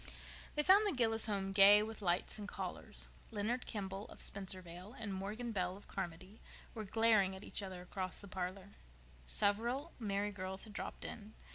They found the Gillis home gay with lights and callers. Leonard Kimball, of Spencervale, and Morgan Bell, of Carmody, were glaring at each other across the parlor. Several merry girls had dropped in.